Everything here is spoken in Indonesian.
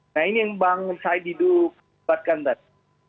nah ini yang bang said didu katakan tadi